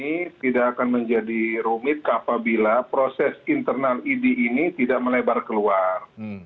ini tidak akan menjadi rumit apabila proses internal idi ini tidak melebar keluar